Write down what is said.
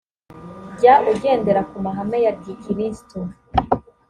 jya ugendera ku mahame ya gikristo